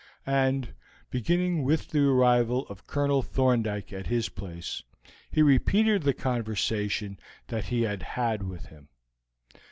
And, beginning with the arrival of Colonel Thorndyke at his place, he repeated the conversation that he had had with him.